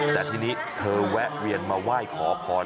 แต่ทีนี้เธอแวะเวียนมาไหว้ขอพร